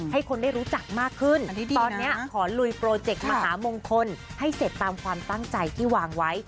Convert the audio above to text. ให้คนได้รู้จักมากขึ้นตอนนี้ขอลุยโปรเจกต์มหามงคลให้เสร็จตามความตั้งใจที่วางไว้